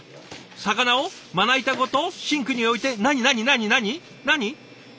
魚をまな板ごとシンクに置いて何何何何何？